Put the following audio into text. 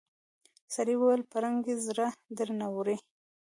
سړي وويل پرنګۍ زړه درنه وړی.